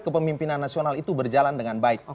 kepemimpinan nasional itu berjalan dengan baik